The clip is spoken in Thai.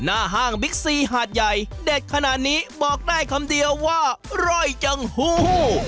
ห้างบิ๊กซีหาดใหญ่เด็ดขนาดนี้บอกได้คำเดียวว่าอร่อยจังหู